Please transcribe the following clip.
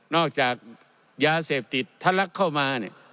นอกจากยาเสพติดทะลักเข้ามา